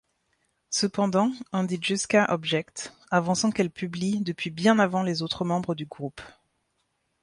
Cependant, Andijewska objecte, avançant qu'elle publie depuis bien avant les autres membres du groupe.